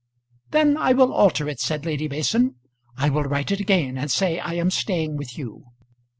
"Then I will alter it," said Lady Mason. "I will write it again and say I am staying with you."